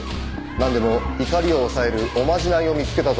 なんでも怒りを抑えるおまじないを見つけたとかで。